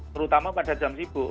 terutama pada jam sibuk